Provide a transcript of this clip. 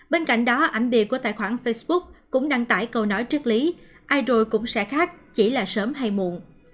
bên cạnh đó ảnh bìa của tài khoản facebook cũng đăng tải câu nói triết lý ai rồi cũng sẽ khác chỉ là sớm hay muộn